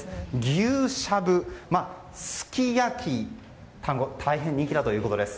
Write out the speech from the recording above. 牛しゃぶ、すき焼き大変人気だということです。